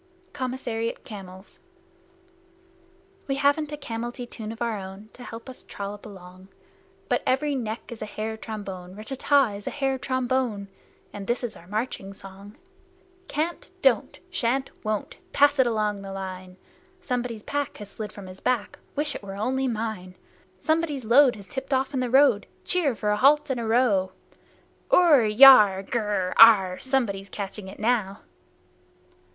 COMMISSARIAT CAMELS We haven't a camelty tune of our own To help us trollop along, But every neck is a hair trombone (Rtt ta ta ta! is a hair trombone!) And this our marching song: Can't! Don't! Shan't! Won't! Pass it along the line! Somebody's pack has slid from his back, Wish it were only mine! Somebody's load has tipped off in the road Cheer for a halt and a row! Urrr! Yarrh! Grr! Arrh! Somebody's catching it now!